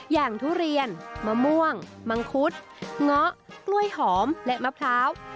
ทุเรียนมะม่วงมังคุดเงาะกล้วยหอมและมะพร้าว